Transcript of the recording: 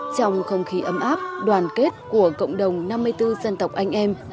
trong không khí ấm áp đoàn kết của cộng đồng năm mươi bốn dân tộc anh em